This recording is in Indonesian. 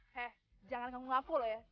eh jangan kamu ngaku loh ya